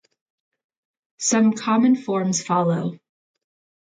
Some common forms follow.